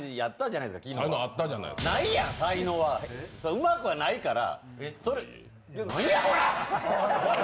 うまくはないから。